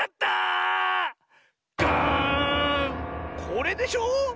これでしょ！